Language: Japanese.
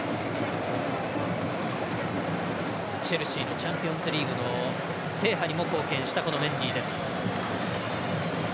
チェルシーでチャンピオンズリーグの制覇にも貢献したメンディです。